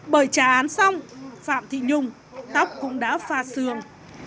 bởi trà án xong phạm thị nhung tóc cũng đã pha xương